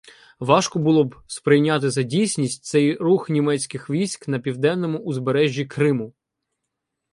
Важко було б сприйняти за дійсність цей рух німецьких військ на південному узбережжі Криму.